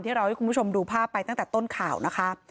เราให้คุณผู้ชมดูภาพไปตั้งแต่ต้นข่าวนะคะ